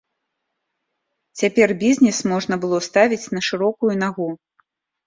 Цяпер бізнес можна было ставіць на шырокую нагу.